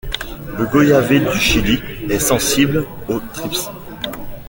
Le goyavier du Chili est sensible au thrips.